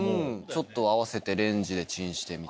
ちょっと合わせてレンジでチンしてみたいな。